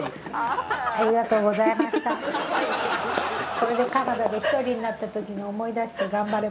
これでカナダで１人になった時に思い出して頑張れます。